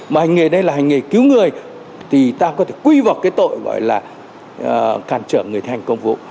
mà hành nghề đây là hành nghề cứu người thì ta có thể quy vọc cái tội gọi là cản trở người thành công vụ